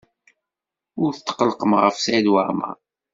Ur tqellqen ɣef Saɛid Waɛmaṛ.